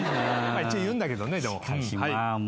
一応言うんだけどねでも。